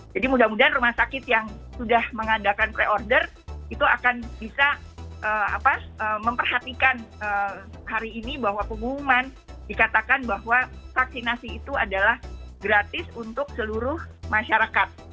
jadi mudah mudahan rumah sakit yang sudah mengadakan pre order itu akan bisa memperhatikan hari ini bahwa pengumuman dikatakan bahwa vaksinasi itu adalah gratis untuk seluruh masyarakat